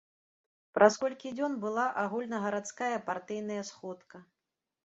Праз колькі дзён была агульнагарадская партыйная сходка.